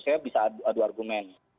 saya bisa adu argumen